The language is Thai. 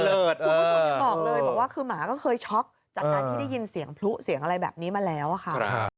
คุณผู้ชมยังบอกเลยบอกว่าคือหมาก็เคยช็อกจากการที่ได้ยินเสียงพลุเสียงอะไรแบบนี้มาแล้วค่ะ